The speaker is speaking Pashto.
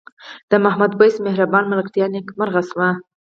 د محمد وېس مهربان ملګرتیا نیکمرغه شوه.